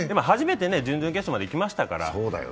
初めて準々決勝までいきましたから。